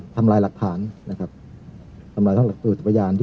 ทำลายหลักฐานนะครับทำลายทั้งหลักสูตรพยานที่